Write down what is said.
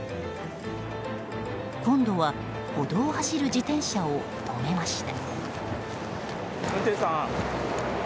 今度は歩道を走る自転車を止めました。